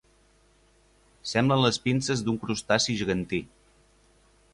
Semblen les pinces d'un crustaci gegantí.